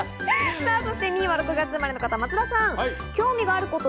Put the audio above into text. そして２位は６月生まれの方、松田さん。